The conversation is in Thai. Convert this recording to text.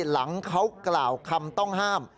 หลังเขากล่าวคำต้องห้าม